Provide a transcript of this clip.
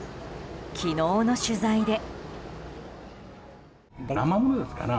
昨日の取材で。